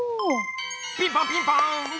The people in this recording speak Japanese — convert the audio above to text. ピンポンピンポン！